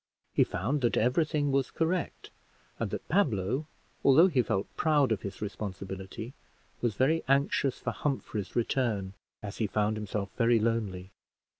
He found that every thing was correct, and that Pablo, although he felt proud of his responsibility, was very anxious for Humphrey's return, as he found himself very lonely.